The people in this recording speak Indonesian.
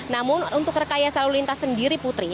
namun untuk rekaya selalu lintas sendiri putri